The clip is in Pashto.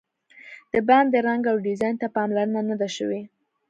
د باندې رنګ او ډیزاین ته پاملرنه نه ده شوې.